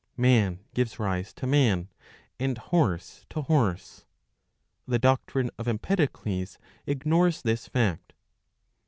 Man gives rise to man, and horse to horse. The doctrine of Empedocles ignores this fact.